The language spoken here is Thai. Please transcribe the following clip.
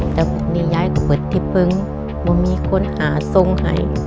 แต่พวกนี้ย้ายกระบวนที่เพิงไม่มีคนอาสงหาย